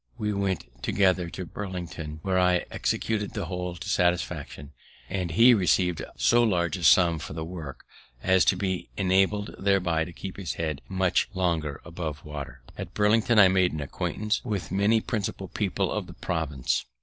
We went together to Burlington, where I executed the whole to satisfaction; and he received so large a sum for the work as to be enabled thereby to keep his head much longer above water. At Burlington I made an acquaintance with many principal people of the province.